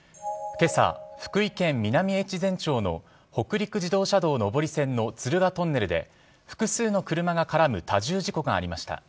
今朝、福井県南越前町の北陸自動車道上り線の敦賀トンネルで複数の車が絡む多重事故がありました。